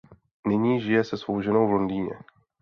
Nyní žije se svou ženou v Londýně.